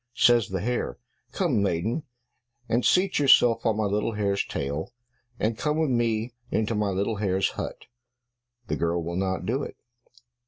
Says the hare, "Come, maiden, and seat yourself on my little hare's tail, and come with me into my little hare's hut." The girl will not do it.